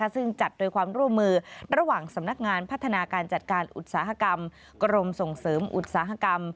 ซึ่งจัดโดยความร่วมมือระหว่างสำนักงานพัฒนาการจัดการอุตสาหกรรมกรมส่งเสริมอุตสาหกรรม